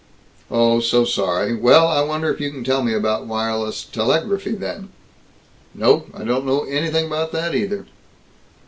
"Oh, so sorry. Well, I wonder if you can tell me about wireless telegraphy, then?" "No, I don't know anything about that either."